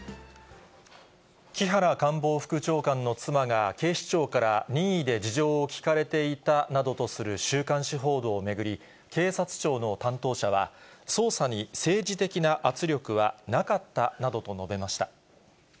木原官房副長官の妻が警視庁から任意で事情を聴かれていたなどとする週刊誌報道を巡り、警察庁の担当者は、捜査に政治的な圧力はなかったなどと述べました。